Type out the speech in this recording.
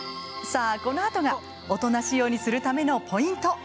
さあこのあとが大人仕様にするためのポイント。